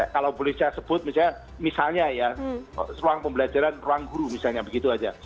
kalau boleh saya sebut misalnya ya ruang pembelajaran ruang guru misalnya begitu saja